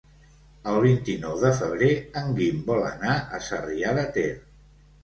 El vint-i-nou de febrer en Guim vol anar a Sarrià de Ter.